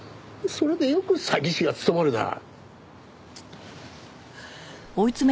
それでよく詐欺師が務まるな。